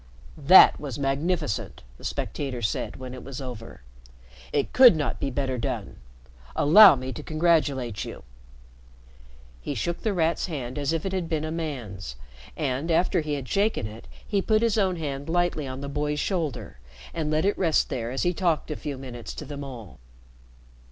"That is magnificent!" the spectator said, when it was over. "It could not be better done. Allow me to congratulate you." He shook The Rat's hand as if it had been a man's, and, after he had shaken it, he put his own hand lightly on the boy's shoulder and let it rest there as he talked a few minutes to them all.